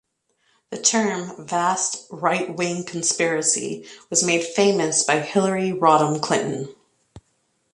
The term, "vast right-wing conspiracy" was made famous by Hillary Rodham Clinton.